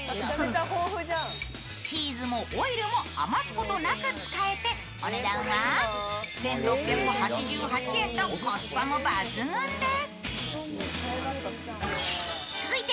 チーズもオイルも余すことなく使えて、お値段は１６８８円とコスパも抜群です。